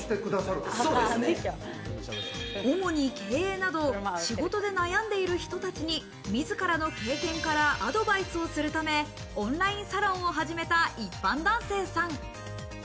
主に経営など、仕事で悩んでいる人たちにみずからの経験からアドバイスをするため、オンラインサロンを始めた一般男性さん。